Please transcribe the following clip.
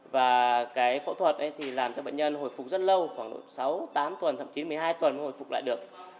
và cái phẫu thuật thì làm cho bệnh nhân hồi phục rất lâu khoảng độ sáu tám tuần thậm chí một mươi hai tuần hồi phục lại được